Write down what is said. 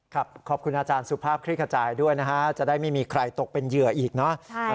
ขอบคุณอาจารย์สุภาพคลิกขจายด้วยนะฮะจะได้ไม่มีใครตกเป็นเหยื่ออีกเนาะ